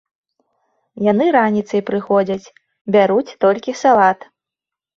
Яны раніцай прыходзяць, бяруць толькі салат.